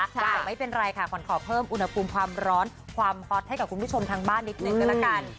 แต่ไม่เป็นไรค่ะขวัญขอเพิ่มอุณหภูมิความร้อนความฮอตให้กับคุณผู้ชมทางบ้านนิดหนึ่งก็แล้วกัน